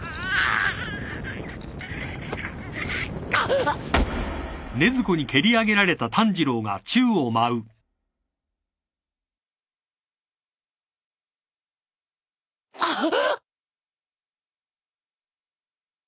あっ！？くっ。